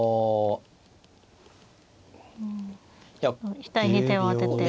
額に手を当てて。